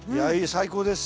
最高です。